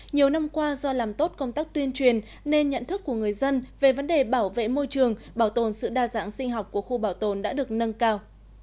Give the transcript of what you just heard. nhiều năm qua do làm tốt công tác tuyên truyền nên nhận thức của người dân về vấn đề bảo vệ môi trường bảo tồn sự đa dạng sinh học của khu bảo tồn đã được nâng cao